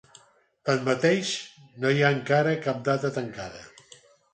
Tanmateix, no hi ha encara cap data tancada.